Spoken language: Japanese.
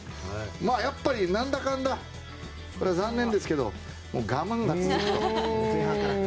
やっぱり、何だかんだ残念ですけど我慢が続くと。